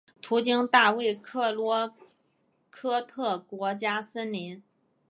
途经大卫克洛科特国家森林。